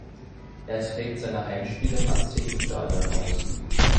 Er trägt seine Heimspiele im Aztekenstadion aus.